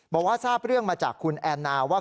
บอกว่าทราบเรื่องมาจากคุณแอนนาว่า